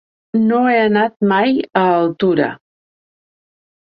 No he anat mai a Altura.